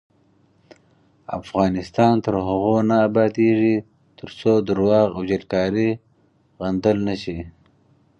افغانستان تر هغو نه ابادیږي، ترڅو درواغ او جعلکاری غندل نشي.